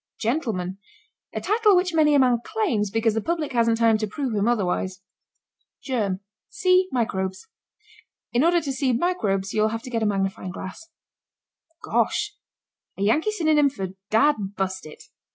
GENTLEMAN. A title which many a man claims because the public hasn't time to prove him otherwise. GERM. See microbes. In order to see microbes you'll have to get a magnifying glass. GOSH. A Yankee synonym for dad bust it!